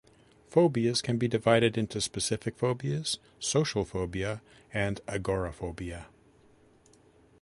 Phobias can be divided into specific phobias, social phobia, and agoraphobia.